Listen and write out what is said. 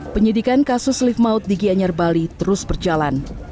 penyidikan kasus lift maut di gianyar bali terus berjalan